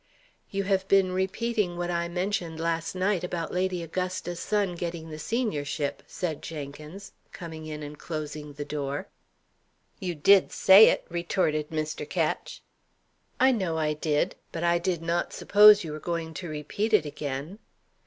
"You have been repeating what I mentioned last night about Lady Augusta's son getting the seniorship," said Jenkins, coming in and closing the door. "You did say it," retorted Mr. Ketch. "I know I did. But I did not suppose you were going to repeat it again."